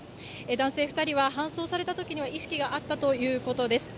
男性２人は搬送された時には意識があったということです。